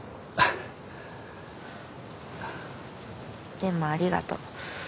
でもありがとう。